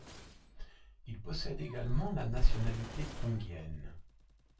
Il possède également la nationalité tongienne.